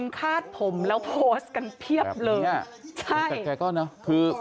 คาดผมแล้วโพสกันเพียบเลย